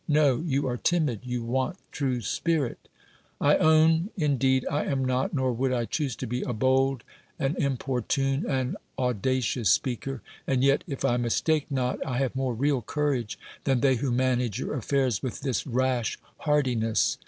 No; you are timid: you want Inu' spii it." 1 own, in i:;;) THE WORLD'S FAMOUS ORATIONS deed, I am not, nor would I choose to be, a bold, an importune, an audacious speaker. And yet, if I mistake not, I have more real courage than they who manage your affairs with this rash hardiness.